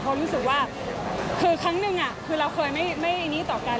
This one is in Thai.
เพราะรู้สึกว่าคือครั้งหนึ่งคือเราเคยไม่นี้ต่อกัน